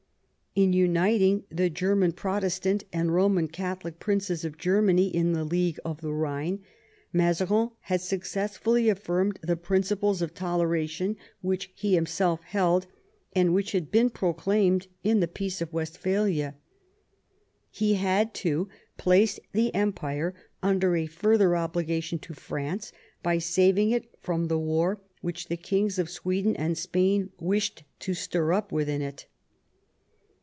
In uniting the German Protestant and Koman Catholic princes of Germany in the League of the Rhine, Mazarin had successfully affirmed the principles of toleration which he himself held, and which had been proclaimed in the Peace of Westphalia. He had, too, placed the Empire under a further obligation to France by saving it from the war which the kings of Sweden and Spain wished to stir up within it.